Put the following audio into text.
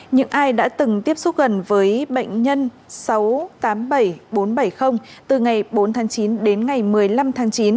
những ai đã từng tiếp xúc gần với bệnh nhân sáu trăm tám mươi bảy bốn trăm bảy mươi từ ngày bốn tháng chín đến ngày một mươi năm tháng chín